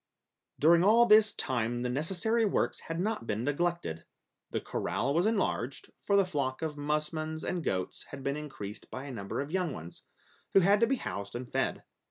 During all this time the necessary works had not been neglected. The corral was enlarged, for the flock of musmons and goats had been increased by a number of young ones, who had to be housed and fed.